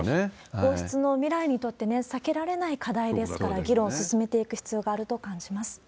皇室の未来にとって避けられない課題ですから、議論進めていく必要があると感じます。